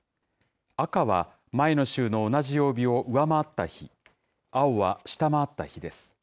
赤は前の週の同じ曜日を上回った日、青は下回った日です。